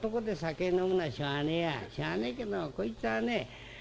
しょうがねえけどこいつはね